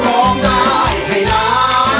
ร้องได้ให้ล้าน